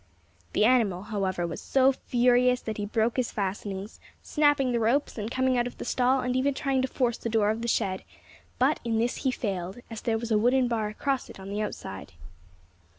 The animal, however, was so furious that he broke his fastenings, snapping the ropes, and coming out of the stall, and even trying to force the door of the shed; but in this he failed, as there was a wooden bar across it on the outside.